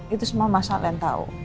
itu semua mas al yang tau